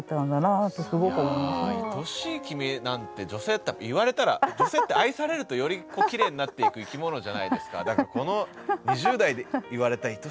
女性って言われたら女性って愛されるとよりきれいになっていく生き物じゃないですか。